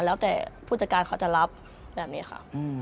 แล้วแต่ผู้จัดการเขาจะรับแบบนี้ค่ะ